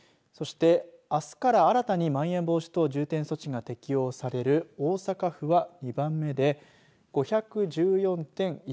そして、あすから新たにまん延防止等重点措置が適用される大阪府は２番目で５１４．１９人。